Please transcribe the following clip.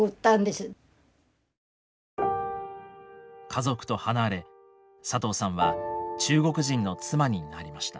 家族と離れ佐藤さんは中国人の妻になりました。